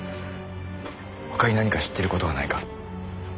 他に何か知ってる事はないか？